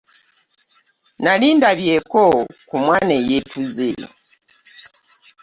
Nali ndabyeko ku mwana eyeetuze.